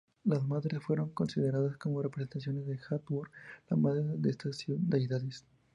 Las madres fueron consideradas como representaciones de Hathor, la madre de estas deidades.